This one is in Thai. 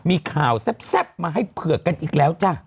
มีข่าวแซ่บมาให้เผือกกันอีกแล้วจ้ะ